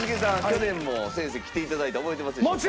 去年も先生来ていただいた覚えてますでしょうか？